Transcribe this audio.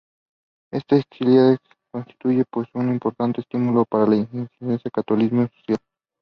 Esta encíclica constituye, pues, un importante estímulo para el incipiente catolicismo social.